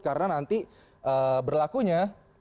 karena nanti berlakunya